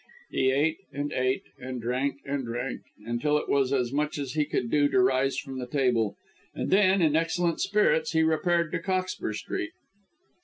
He ate and ate, and drank and drank, until it was as much as he could do to rise from the table. And then, in excellent spirits, he repaired to Cockspur Street.